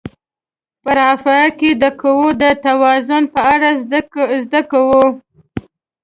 په رافعه کې د قوو د توازن په اړه زده کوو.